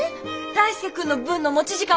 大介君の分の持ち時間